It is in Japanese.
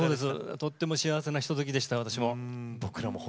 とても幸せなひとときでした。